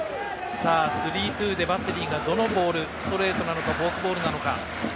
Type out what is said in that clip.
スリーツーで、バッテリーがどのボール、ストレートなのかフォークボールなのか。